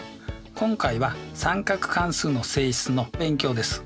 今回は三角関数の性質の勉強です。